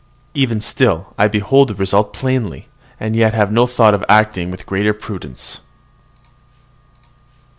Even still I behold the result plainly, and yet have no thought of acting with greater prudence.